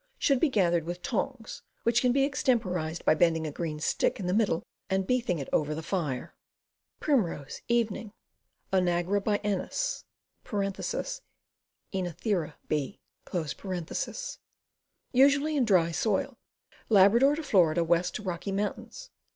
Should be gathered with tongs, which can be extemporized by bending a green stick in the middle and beathing it over the fire. Primrose, Evening. Onagra biennis {Oenothera h.). Usually in dry soil. Labrador to Fla., west to Rocky Mts.